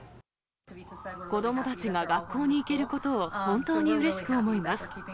子どもたちが学校に行けることを本当にうれしく思います。